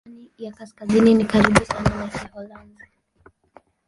Kijerumani ya Kaskazini ni karibu sana na Kiholanzi.